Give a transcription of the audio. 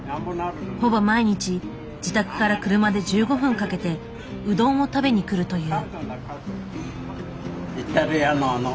ほぼ毎日自宅から車で１５分かけてうどんを食べに来るという。